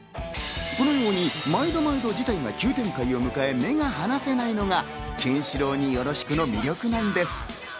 このように毎度毎度、事態が急展開を迎え、目が離せないのが『ケンシロウによろしく』の魅力なんです。